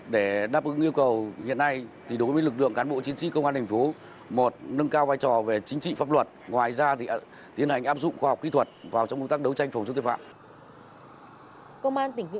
để đáp ứng yêu cầu hiện nay đối với lực lượng cán bộ chiến sĩ công an thành phố một nâng cao vai trò về chính trị pháp luật ngoài ra thì tiến hành áp dụng khoa học kỹ thuật vào trong công tác đấu tranh phòng chống tội phạm